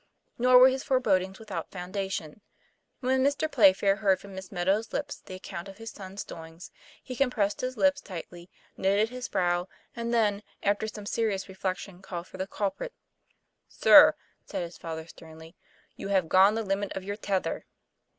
Nor were his forebodings without foundation. When Mr. Playfair heard from Miss Meadow's lips the account of his son's doings, he compressed his lips tightly, knit his brow, and then, after some seri ous reflection, called for the culprit. 'Sir," said the father sternly, "you have gone the limit of your tether."